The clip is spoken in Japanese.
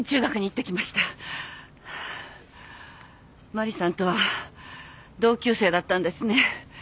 マリさんとは同級生だったんですね？